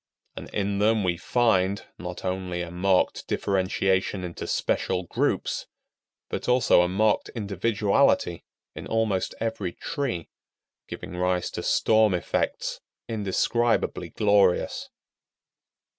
And in them we find, not only a marked differentiation into special groups, but also a marked individuality in almost every tree, giving rise to storm effects indescribably glorious.